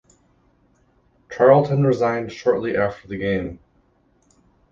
Charlton resigned shortly after the game.